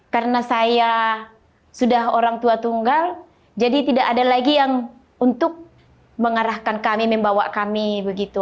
karena saya sudah orang tua tunggal jadi tidak ada lagi yang untuk mengarahkan kami membawa kami begitu